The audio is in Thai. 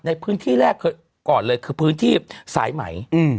ในพื้นที่แรกก่อนเลยคือพื้นที่สายไหม